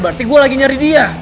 berarti gue lagi nyari dia